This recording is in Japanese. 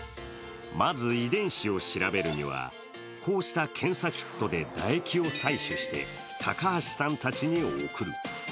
まず遺伝子を調べるには、こうした検査キットで唾液を採取して高橋さんたちに送る。